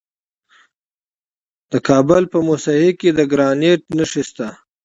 د کابل په موسهي کې د ګرانیټ نښې شته.